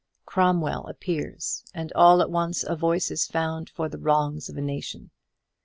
Cromwell appears, and all at once a voice is found for the wrongs of a nation.